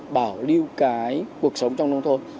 bảo lưu cái cuộc sống trong nông thôn